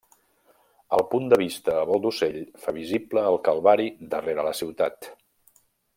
El punt de vista a vol d'ocell fa visible el Calvari darrere la ciutat.